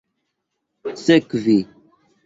sekvi